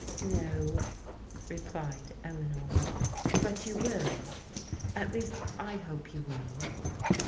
"" No," replied Eleanor. *' But you will ; at least, I hope you will."